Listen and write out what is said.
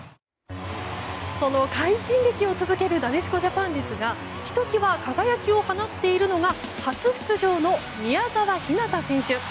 その快進撃を続けるなでしこジャパンですがひときわ輝きを放っているのが初出場の宮澤ひなた選手。